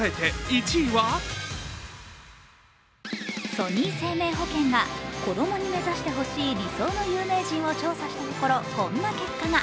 ソニー生命保険が子供に目指してほしい理想の有名人を調査したところこんな結果が。